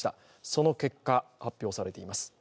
その結果が発表されています。